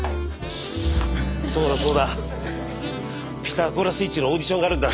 そうだそうだ「ピタゴラスイッチ」のオーディションがあるんだ。